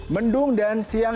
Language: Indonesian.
mendung dan siang